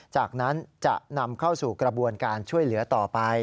จากนั้นจะนำเข้าสู่กระบวนการช่วยเหลือต่อไป